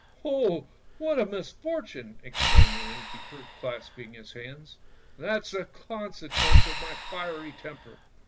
"" Oh, what a misfortune! " exclaimed the innkeeper, clasp ing his hands; "that's the consequence of my fiery temper!